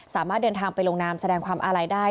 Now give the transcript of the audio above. สามารถเดินทางไปลงน้ำแสดงความอะไหล่ได้